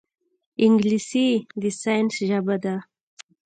انګلیسي د ساینس ژبه ده